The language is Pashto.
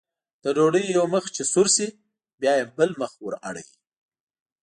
د ډوډۍ یو مخ چې سره شي بیا یې بل مخ ور اړوي.